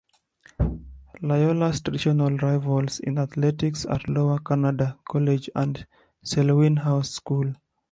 Loyola's traditional rivals in athletics are Lower Canada College and Selwyn House School.